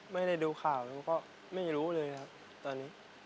ไม่ได้ดูข่าวอยู่ก็ไม่รู้เลยครับตอนนี้